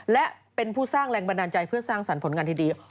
และเป็นผู้สร้างแรงบันดาลใจเพื่อสร้างสรรค์ผลงานที่ดี